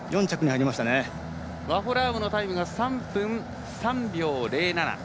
ワホラームのタイムが３分３秒０７。